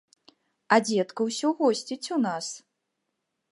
А дзедка ўсё госціць у нас!